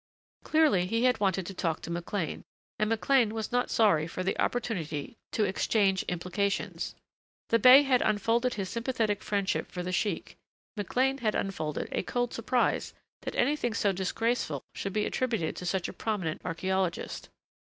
Clearly he had wanted to talk to McLean and McLean was not sorry for the opportunity to exchange implications. The bey had unfolded his sympathetic friendship for the sheik; McLean had unfolded a cold surprise that anything so disgraceful should be attributed to such a prominent archaeologist.